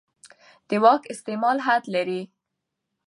د واک استعمال حد لري